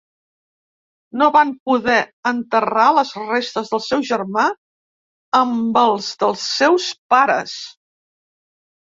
No van poder enterrar les restes del seu germà amb els dels seus pares.